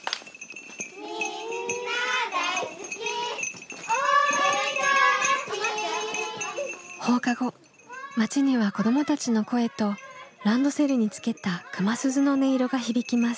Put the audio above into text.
みんな大好き大森の町放課後町には子どもたちの声とランドセルにつけた熊鈴の音色が響きます。